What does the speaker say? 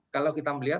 kalau kita melihat